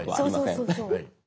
そうそうそうそう。